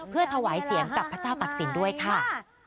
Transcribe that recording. เพื่อถวายเสียงกับพระเจ้าตักศิลป์ด้วยค่ะ